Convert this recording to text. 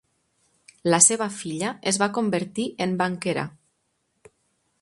La seva filla es va convertir en banquera.